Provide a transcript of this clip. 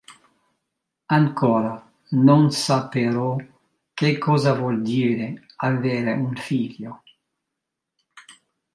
Ancora non sa però che cosa vuol dire avere un figlio.